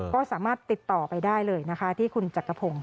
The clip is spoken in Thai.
ก็สามารถติดต่อไปได้เลยนะคะที่คุณจักรพงศ์